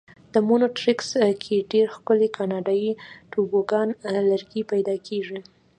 په مونټریکس کې ډېر ښکلي کاناډایي توبوګان لرګي پیدا کېږي.